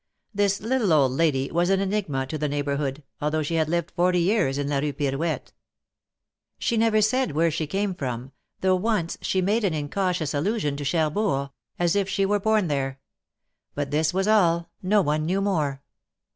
This little old lady was an enigma to the neighborhood, although she had lived forty years in la Rue Pirouette. She never said where she came from, though once she made an incautious allusion to Cherbourg, as if she were born there ; but this was all, no one knew more.